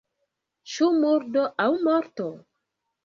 Ĉu murdo aŭ morto?